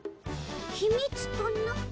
ひみつとな？